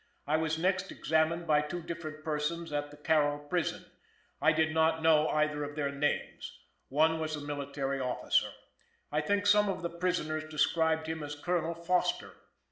I was next examined by two different persons at the Carroll prison. I did not know either of their names. One was a military officer. I think some of the prisoners described him as Colonel Foster.